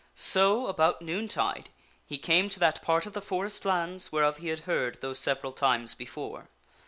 So, about noon tide, he came to that part of the forest lands whereof he had heard those several times before.